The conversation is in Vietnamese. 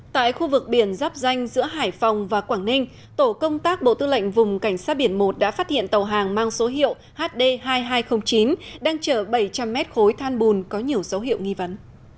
tại khu vực biển dắp danh giữa hải phòng và quảng ninh tổ công tác bộ tư lệnh vùng cảnh sát biển một đã phát hiện tàu hàng mang số hiệu hd hai nghìn hai trăm linh chín đang chở bảy trăm linh m khối than bùn có nhiều dấu hiệu nghi vấn